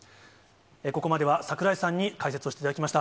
ここまでは櫻井さんに解説をしていただきました。